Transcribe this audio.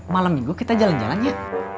malam minggu kita jalan jalan ya